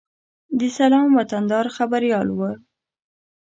د سلام وطندار خبریال و.